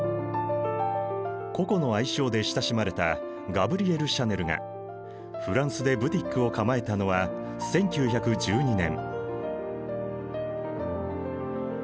ココの愛称で親しまれたガブリエル・シャネルがフランスでブティックを構えたのは１９１２年。